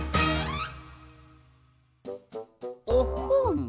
おっほん。